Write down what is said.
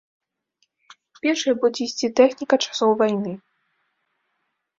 Першай будзе ісці тэхніка часоў вайны.